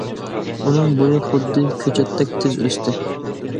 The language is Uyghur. ئۇنىڭ بويى خۇددى كۆچەتتەك تېز ئۆستى.